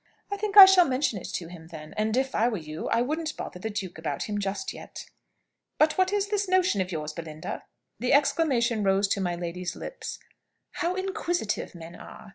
"I think I shall mention it to him, then. And, if I were you, I wouldn't bother the duke about him just yet." "But what is this notion of yours, Belinda?" The exclamation rose to my lady's lips, "How inquisitive men are!"